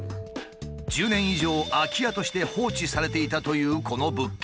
１０年以上空き家として放置されていたというこの物件。